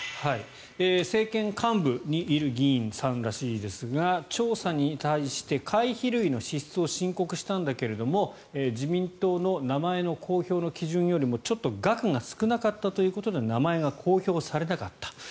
政権幹部にいる議員さんらしいんですが調査に対して会費類の支出を申告したんだけど自民党の名前の公表の基準よりもちょっと額が少なかったということで名前が公表されなかった。